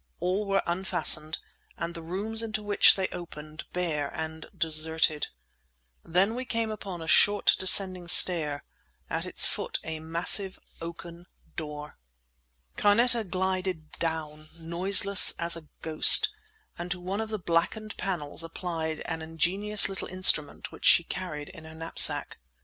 All were unfastened, and the rooms into which they opened bare and deserted. Then we came upon a short, descending stair, at its foot a massive oaken door. Carneta glided down, noiseless as a ghost, and to one of the blackened panels applied an ingenious little instrument which she carried in her knapsack.